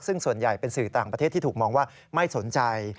ซึ่งส่วนใหญ่เป็นสื่อต่างประเทศที่ถูกมองว่าไม่สนใจ